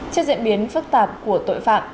chất diễn biến phức tạp của tội phạm